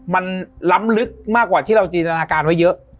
มันล้ำลึกมากกว่าที่เราจินตนาการไว้เยอะ